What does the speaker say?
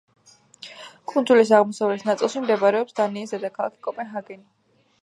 კუნძულის აღმოსავლეთ ნაწილში მდებარეობს დანიის დედაქალაქი კოპენჰაგენი.